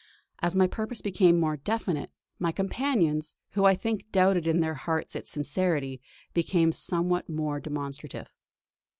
As my purpose became more definite, my companions, who I think doubted in their hearts its sincerity, became somewhat more demonstrative.